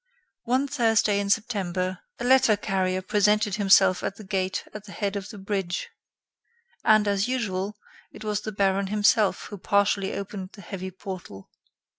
One Thursday in September, a letter carrier presented himself at the gate at the head of the bridge, and, as usual, it was the Baron himself who partially opened the heavy portal.